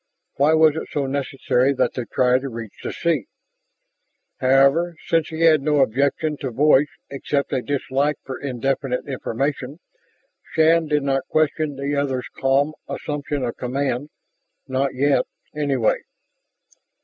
Why was it so necessary that they try to reach the sea? However, since he had no objection to voice except a dislike for indefinite information, Shann did not question the other's calm assumption of command, not yet, anyway.